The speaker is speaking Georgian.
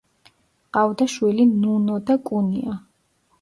ჰყავდა შვილი ნუნო და კუნია.